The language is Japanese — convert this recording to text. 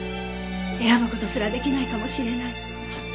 選ぶ事すらできないかもしれない。